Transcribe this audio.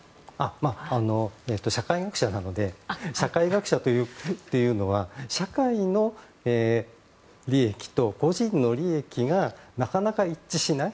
社会学者なので社会学者というのは社会の利益と個人の利益がなかなか一致しない。